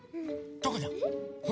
どこだ？え？